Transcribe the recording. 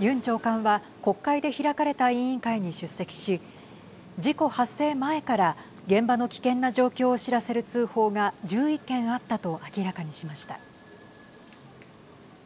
ユン長官は国会で開かれた委員会に出席し事故発生前から現場の危険な状況を知らせる通報が１１件あったと明らかにしました。